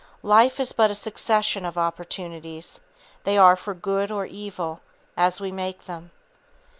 Life is but a succession of opportunities. They are for good or evil, as we make them.